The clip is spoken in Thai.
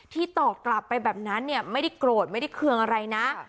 ที่ตอบกลับไปแบบนั้นไม่ได้โกรธไม่ได้เครื่องอะไรนะ